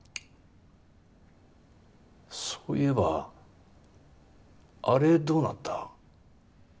そういえばあれどうなった？